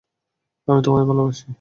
আমি তোমায় ভালোবাসি!